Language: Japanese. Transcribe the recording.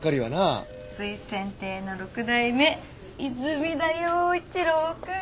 瑞泉亭の６代目泉田耀一郎くん！